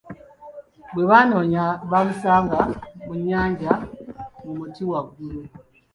Bwe banoonya bamusanga mu nnyanja mu muti waggulu.